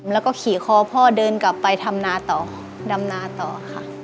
แล้วก็ขี่คอพ่อเดินกลับไปทำนาต่อดำนาต่อค่ะ